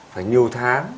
phải nhiều tháng